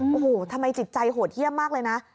โอ้โหทำไมจิตใจโหดเยี่ยมมากเลยนะ